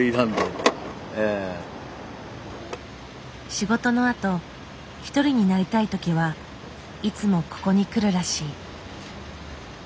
仕事のあと一人になりたい時はいつもここに来るらしい。